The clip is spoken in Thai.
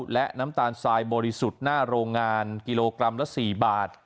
และน้ำตาลทรายบริสุทธิ์หน้าโรงงานกิโลกรัมละ๔บาท